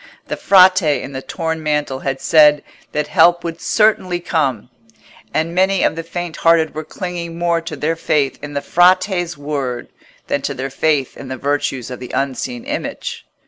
The Frate in the torn mantle had said that help would certainly come, and many of the faint hearted were clinging more to their faith in the Frate's word, than to their faith in the virtues of the unseen Image.